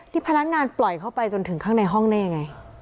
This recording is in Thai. พนักงานปล่อยเข้าไปจนถึงข้างในห้องได้ยังไง